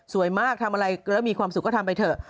มากทำอะไรแล้วมีความสุขก็ทำไปเถอะ